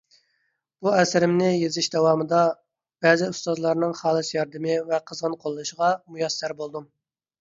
بۇ ئەسىرىمنى يېزىش داۋامىدا بەزى ئۇستازلارنىڭ خالىس ياردىمى ۋە قىزغىن قوللىشىغا مۇيەسسەر بولدۇم.